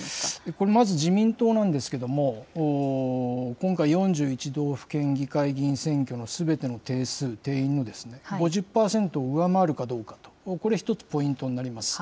これ、まず、自民党なんですけれども、今回、４１道府県議会議員選挙のすべての定数、定員の５０％を上回るかどうかと、これ１つ、ポイントになります。